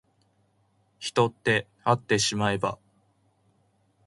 人ってあってしまえば